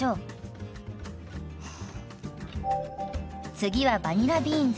次はバニラビーンズ。